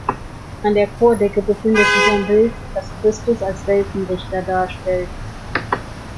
An der Chordecke befindet sich ein Bild, das Christus als Weltenrichter darstellt.